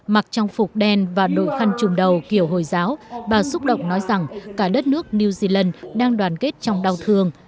mặc trong phục đen và đội khăn trùng đầu kiểu hồi giáo bà xúc động nói rằng cả đất nước new zealand đang đoàn kết trong đau thương